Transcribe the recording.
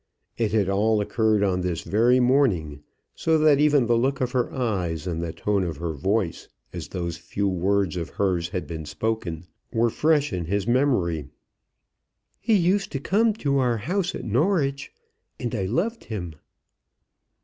It had all occurred on this very morning, so that even the look of her eyes and the tone of her voice, as those few words of hers had been spoken, were fresh in his memory. "He used to come to our house at Norwich, and I loved him."